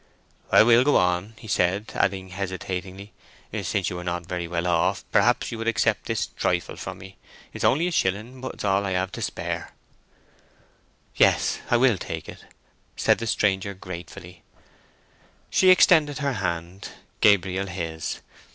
"I will go on," he said; adding hesitatingly,—"Since you are not very well off, perhaps you would accept this trifle from me. It is only a shilling, but it is all I have to spare." "Yes, I will take it," said the stranger gratefully. She extended her hand; Gabriel his.